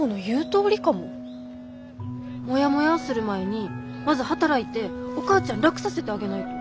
もやもやーする前にまず働いてお母ちゃん楽させてあげないと。